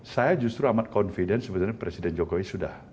saya justru amat confident sebenarnya presiden jokowi sudah